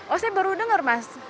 oh saya baru dengar mas